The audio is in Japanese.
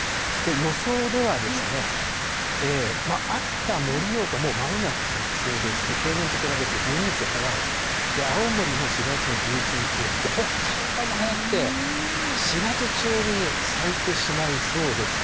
予想では秋田、盛岡、もうまもなく咲きそうですし、平年と比べると１２日早い、青森も４月の１１日、北海道も早くて、４月中に咲いてしまいそうですね。